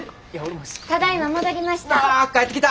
ただいま戻りました。